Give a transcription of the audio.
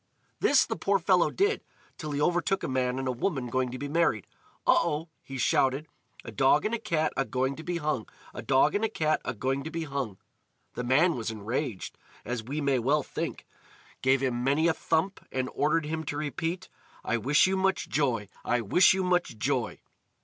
This the poor fellow did, till he overtook a man and a woman going to be married. "Oh! oh!" he shouted: "A dog and a cat agoing to be hung! A dog and a cat agoing to be hung!" The man was enraged, as we may well think, gave him many a thump, and ordered him to repeat: "I wish you much joy! I wish you much joy!"